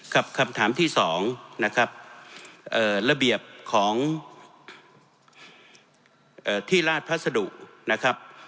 ครับคำถามที่สองนะครับเอ่อระเบียบของเอ่อที่ราชพระสดุนะครับ